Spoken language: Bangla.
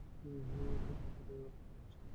হরিমোহিনীর আলাপ করিবার শক্তিও অত্যন্ত সংকীর্ণ।